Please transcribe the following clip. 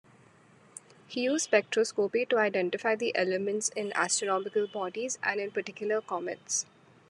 He used spectroscopy to identify the elements in astronomical bodies, and, in particular, comets.